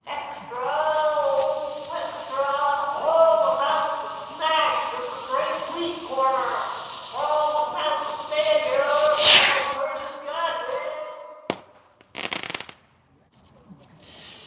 "Extra, oh h h, extra! All about the Smash of the Great Wheat Corner! All about the Failure of Curtis Jadwin!"